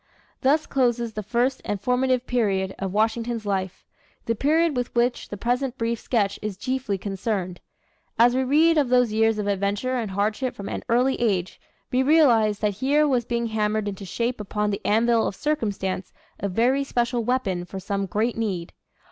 Thus closes the first and formative period of Washington's life the period with which the present brief sketch is chiefly concerned. As we read of those years of adventure and hardship from an early age, we realize that here was being hammered into shape upon the anvil of circumstance a very special weapon for some great need.